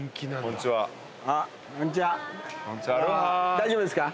大丈夫ですか？